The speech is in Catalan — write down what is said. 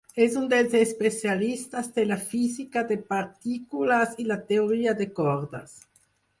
És un dels especialistes de la física de partícules i la teoria de cordes.